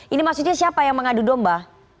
ini maksudnya siapa yang mengadu domba